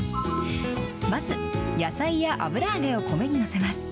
まず、野菜や油揚げを米に載せます。